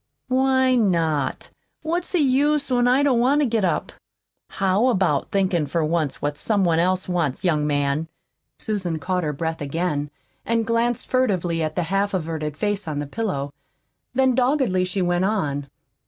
"Why not? What's the use when I don't want to get up?" "How about thinkin' for once what somebody else wants, young man?" Susan caught her breath again, and glanced furtively at the half averted face on the pillow. Then doggedly she went on.